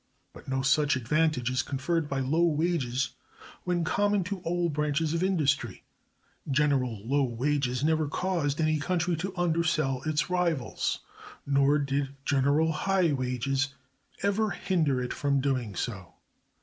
But no such advantage is conferred by low wages when common to all branches of industry. General low wages never caused any country to undersell its rivals, nor did general high wages ever hinder it from doing so.